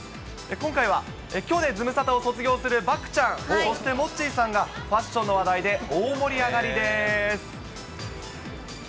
今回はきょうでズムサタを卒業する漠ちゃん、そして、モッチーさんがファッションの話題で大盛り上がりです。